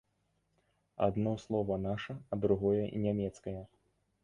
Адно слова наша, а другое нямецкае.